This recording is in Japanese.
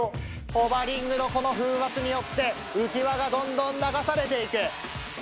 ホバリングのこの風圧によって浮き輪がどんどん流されて行く。